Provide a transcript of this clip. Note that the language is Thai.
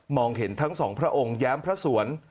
มองเห็นทั้งสองพระองค์แย้มพระสวรรค์